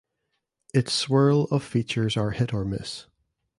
Its swirl of features are hit or miss.